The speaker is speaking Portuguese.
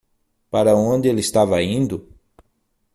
Para onde ele estava indo?